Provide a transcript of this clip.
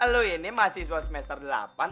lu ini mahasiswa semester delapan